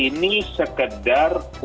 ini sekedar untuk melepaskan